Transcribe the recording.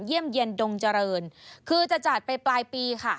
เยี่ยมเย็นดงเจริญคือจะจัดไปปลายปีค่ะ